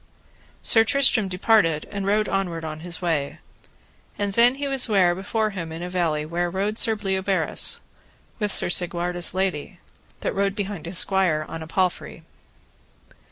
Sir Tristram departed and rode onward on his way. And then was he ware before him in a valley where rode Sir Bleoberis, with Sir Segwarides' lady, that rode behind his squire upon a palfrey.